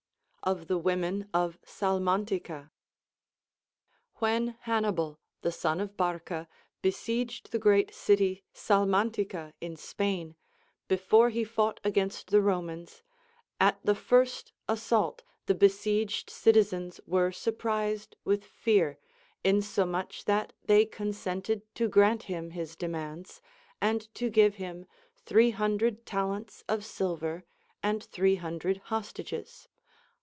Of the Women of Salmantica. When Hannibal, the son of Barca, besieged the great city Salmantica in Spain, before he fought against the Romans, at the first assault the besieged citizens were sur CONCERNING THE VIRTUES OF WOMEN. 353 prised Avith fear, insomuch that they consented to grant him his demands, and to give him three hmidred talents of sil ver and three hundred hostages.